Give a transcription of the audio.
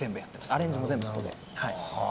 アレンジも全部そこで。